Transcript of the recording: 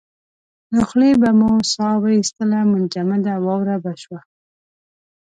له خولې به مو ساه واېستله منجمده واوره به شوه.